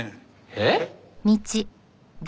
えっ？